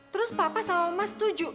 terus papa sama mas setuju